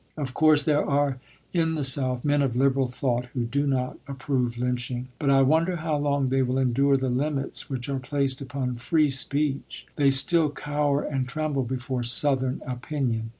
Of course, there are in the South men of liberal thought who do not approve lynching, but I wonder how long they will endure the limits which are placed upon free speech. They still cower and tremble before "Southern opinion."